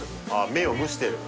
麺を蒸してる？